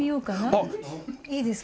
いいですか？